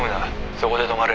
そこで止まれ」